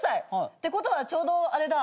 ってことはちょうどあれだ。